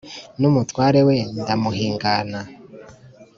n’umutware we ndamuhingana